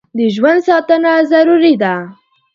د ژوند ساتنه ضروري ده.